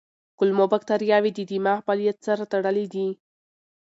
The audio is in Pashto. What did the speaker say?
کولمو بکتریاوې د دماغ فعالیت سره تړلي دي.